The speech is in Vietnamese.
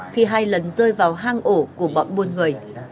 khi hai lần rơi vào hang ổ của bọn buôn người